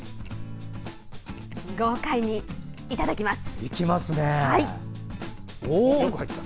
豪快にいただきます！